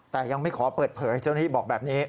แต่ยังไม่ขอเปิดเผยเจ้าหน้าที่บอกแบบนี้